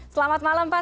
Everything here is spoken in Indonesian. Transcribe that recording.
selamat malam pak